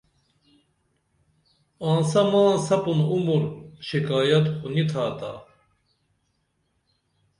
آنسہ ما سپُن عمر شکایت خو نی تھاتا